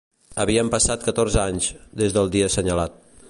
Havien passat catorze anys, des de el dia senyalat